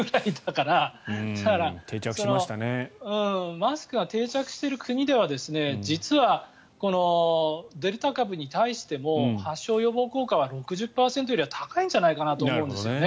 マスクが定着している国では実はデルタ株に対しても発症予防効果は６０％より高いんじゃないかと思うんですね。